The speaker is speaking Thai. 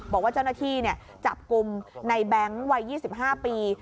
บอกว่าเจ้าหน้าที่จับกลุ่มในแบงค์วัย๒๕ปี